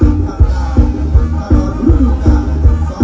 เวลาที่สุดท้าย